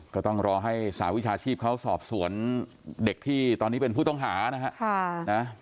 ก็ต้องรอให้สหวิชาชีพเขาสอบสวนเด็กที่ตอนนี้เป็นผู้ต้องหานะฮะ